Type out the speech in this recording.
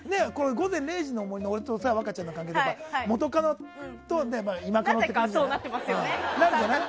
「午前０時の森」の俺と若ちゃんの関係でいうと元カノと今カノって感じで。